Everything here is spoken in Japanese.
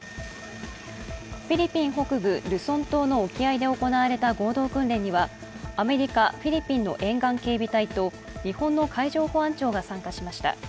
フィリピン北部ルソン島の沖合で行われた合同訓練にはアメリカ、フィリピンの沿岸警備隊と日本の海上保安庁が参加しました。